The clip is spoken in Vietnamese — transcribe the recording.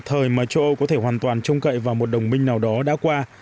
thời mà châu âu có thể hoàn toàn trông cậy vào một đồng minh nào đó đã qua